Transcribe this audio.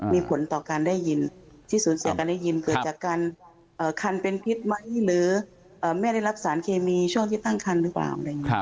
มีผลต่อการได้ยินที่สูญเสียการได้ยินเกิดจากการคันเป็นพิษมะลิหรือไม่ได้รับสารเคมีช่วงที่ตั้งคันหรือเปล่าอะไรอย่างนี้